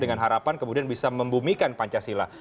dengan harapan kemudian bisa membumikan pancasila